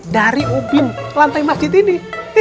dari ubin lantai masjid ini